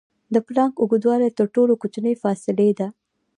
د پلانک اوږدوالی تر ټولو کوچنۍ فاصلې ده.